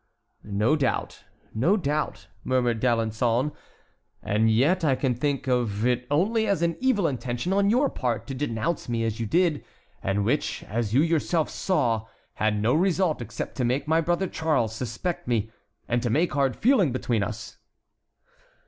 "No doubt, no doubt," murmured D'Alençon. "And yet I can think of it only as an evil intention on your part to denounce me as you did, and which, as you yourself saw, had no result except to make my brother Charles suspect me, and to make hard feeling between us."